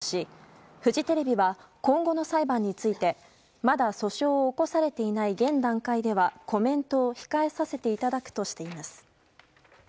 係争中につき全てのコメントは差し控えるとしフジテレビは今後の裁判についてまだ訴訟を起こされていない現段階ではコメントを控えさせていただくとしています。